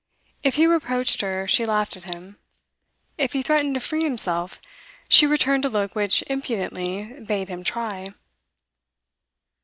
If he reproached her, she laughed at him; if he threatened to free himself, she returned a look which impudently bade him try.